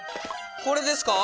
これですか？